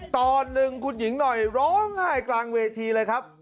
ตอนหนึ่งคุณหญิงหน่อยร้องไห้กลางเวทีเลยครับ